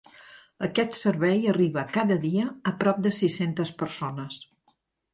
Aquest servei arriba cada dia a prop de sis-centes persones.